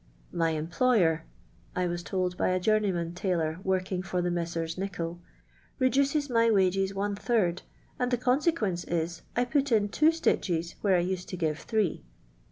" My employer." I was told by a journey mtin tailor working for the Messrs. Nicoll, "reduces my wages one third, and the con sequt nce is, I put in two stitches where I used to givr three."